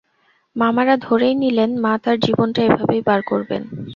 মামারা ধরেই নিলেন মা তাঁর জীবনটা এভাবেই পার করবেন।